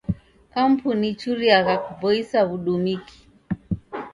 Kampuni ichuriagha kuboisa w'udumiki.